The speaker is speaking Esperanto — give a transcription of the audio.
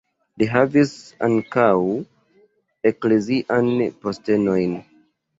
Li havis ankaŭ ekleziajn postenojn.